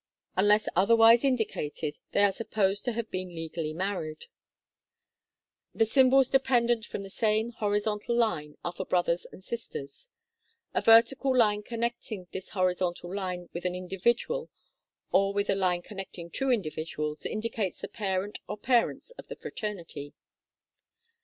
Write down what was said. Unless otherwise indicated, they are supposed to have been legally married. The symbols dependent from the same horizontal line are for brothers and sisters. A vertical line connecting this horizontal line with an individual or with a line connecting two individuals, indicates the parent or parents of the fraternity.